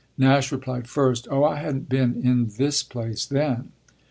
Nash replied, first, "Oh I hadn't been in this place then!"